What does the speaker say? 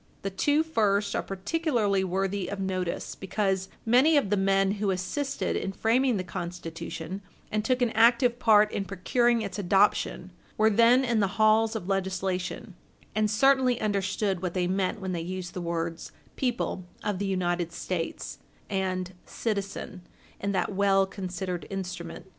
The two first are particularly worthy of notice, because many of the men who assisted in framing the Constitution, and took an active part in procuring its adoption, were then in the halls of legislation, and certainly understood what they meant when they used the words "people of the United States" and "citizen" in that well considered instrument.